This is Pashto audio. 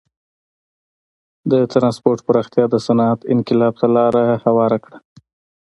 د ټرانسپورت پراختیا د صنعت انقلاب ته لار هواره کړه.